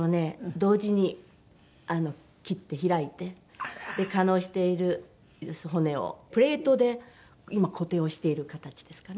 同時に切って開いて化膿している骨をプレートで今固定をしている形ですかね。